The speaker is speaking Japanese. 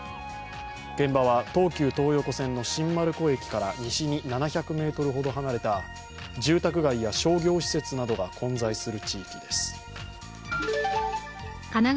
現場は東急東横線の新丸子駅から西に７００ｍほど離れた住宅街や商業施設などが混在する地域です。